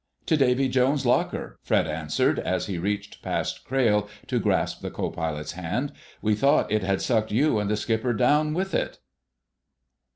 "To Davy Jones's locker!" Fred answered as he reached past Crayle to grasp the co pilot's hand. "We thought it had sucked you and the Skipper down with it."